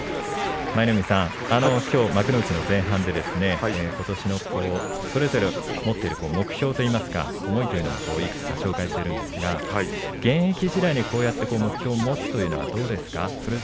舞の海さん、きょう幕内の前半でことしのそれぞれ持っている目標といいますか、思いもいくつか紹介しているんですが現役時代にこうやって目標を持つというのはどうですか？